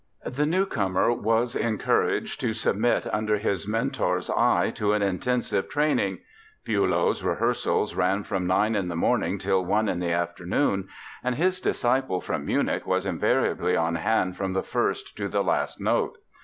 The newcomer was encouraged to submit under his mentor's eye to an intensive training. Bülow's rehearsals ran from nine in the morning till one in the afternoon and his disciple from Munich was invariably on hand from the first to the last note.